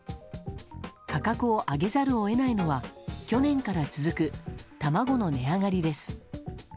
価格を上げざるを得ないのは去年から続く卵の値上がりです。